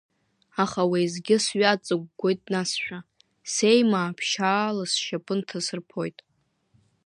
Аха уеизгьы сҩаҵыгәгәоит насшәа, сеимаа ԥшьаала сшьапы нҭасырԥоит.